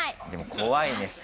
でも怖いね。